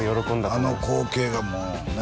あの光景がもうね